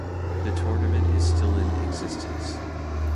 The tournament is still in existence.